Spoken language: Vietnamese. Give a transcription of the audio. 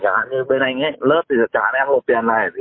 chẳng hạn như bên anh ấy lớp thì chẳng hạn em lột tiền này